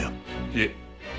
いえ。